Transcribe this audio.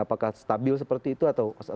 apakah stabil seperti itu atau seperti apa